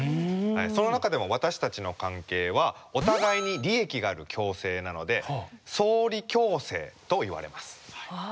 その中でも私たちの関係はお互いに利益がある共生なので「相利共生」といわれます。